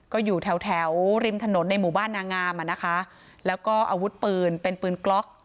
ก็อยู่แถวแถวริมถนนในหมู่บ้านนางงามอ่ะนะคะแล้วก็อาวุธปืนเป็นปืนกล็อก